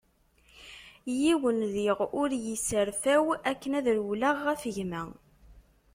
Yiwen diɣ ur yi-serfaw akken ad rewleɣ ɣef gma.